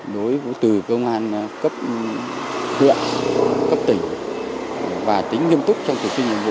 đối với từ công an cấp huyện cấp tỉnh và tính nghiêm túc trong thực thi nhiệm vụ